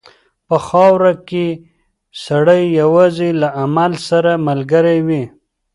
په خاوره کې سړی یوازې له عمل سره ملګری وي.